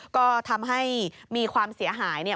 ก็ทำให้มีความเสียหายเนี่ย